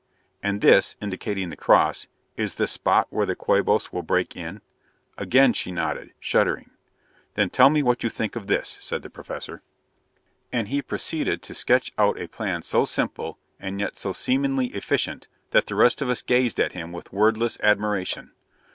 "And this," indicating the cross, "is the spot where the Quabos will break in?" Again she nodded, shuddering. "Then tell me what you think of this," said the Professor. And he proceeded to sketch out a plan so simple, and yet so seemingly efficient, that the rest of us gazed at him with wordless admiration.